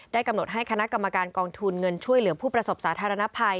กำหนดให้คณะกรรมการกองทุนเงินช่วยเหลือผู้ประสบสาธารณภัย